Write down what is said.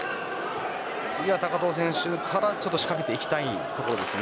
次は高藤選手から仕掛けていきたいところです。